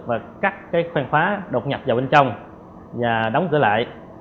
và cắt cái khoang khóa đột nhập vào bên trong và đóng cửa lại